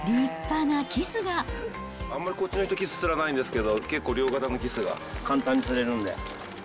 あんまりこっちの人キス釣らないんですけど、結構りょうがたのキスが簡単に釣れるんで。